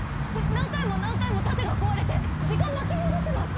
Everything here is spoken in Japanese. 何回も何回も盾が壊れて時間巻き戻ってます！